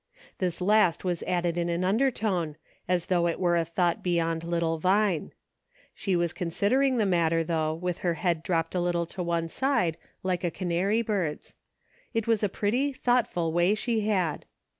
This last was added in an undertone, as though it were a thought beyond little Vine. She was considering the matter, though, with her head dropped a little to one side, like a canary bird's. It was a pretty, thoughtful way she had.